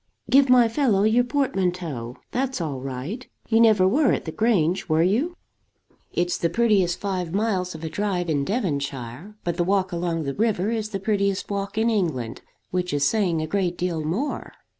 "Give my fellow your portmanteau. That's all right. You never were at the Grange, were you? It's the prettiest five miles of a drive in Devonshire; but the walk along the river is the prettiest walk in England, which is saying a great deal more."